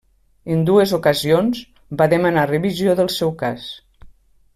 En dues ocasions, va demanar revisió del seu cas.